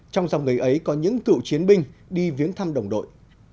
trong dòng người ấy có những cựu chiến binh đi viếng thăm đồng đội